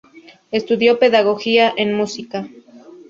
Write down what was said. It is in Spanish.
Estudió Pedagogía en Música.